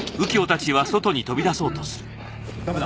ダメだ。